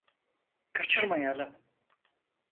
Kaçırmayalım…